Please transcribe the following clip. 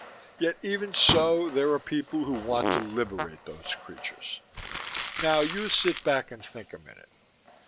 Yet even so there are people who want to liberate those creatures. Now, you sit back and think a minute.